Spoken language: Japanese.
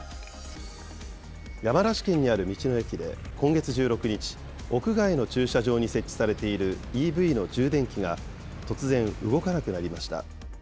山梨県にある道の駅で、今月１６日、屋外の駐車場に設置されているＥＶの充電器が、突然、動かなくなりました。